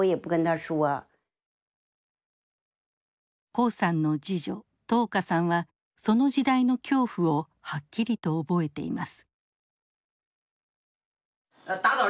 黄さんの次女董霞さんはその時代の恐怖をはっきりと覚えています。